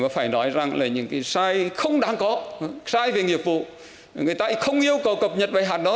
phải nói rằng là những cái sai không đáng có sai về nghiệp vụ người ta không yêu cầu cập nhật bài hàn đó